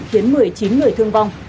khiến một mươi chín người thương vong